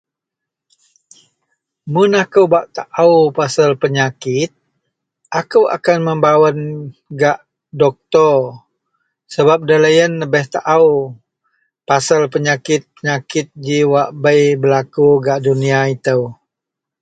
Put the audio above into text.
Mun aku bak tau pasal penyakit aku akan mebawan gak doktor sebab deloyian lebih tau pasal penyakit,-penyakit ji wak bei ji berlaku gak dunia ito.